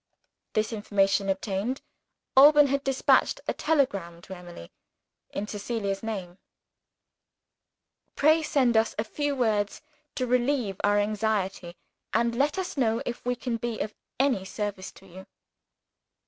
This information obtained, Alban had dispatched a telegram to Emily in Cecilia's name: "Pray send us a few words to relieve our anxiety, and let us know if we can be of any service to you."